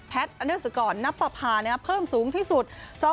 แพทย์อันดับสุดก่อนนับประพานะครับเพิ่มสูงที่สุด